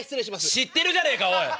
知ってるじゃねえかおい！